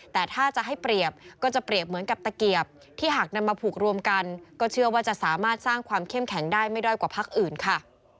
แต่ถ้าจะให้เปรียบก็จะเปรียบเหมือนกับตะเกียบที่หากนำมาผูกรวมกันก็เชื่อว่าจะสามารถสร้างความเข้มแข็งได้ไม่ด้อยกว่าพักอื่นค่ะ